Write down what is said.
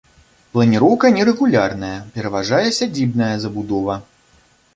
Планіроўка нерэгулярная, пераважае сядзібная забудова.